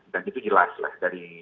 dan itu jelas lah